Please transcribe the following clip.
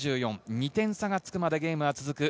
２点差がつくまでゲームが続く。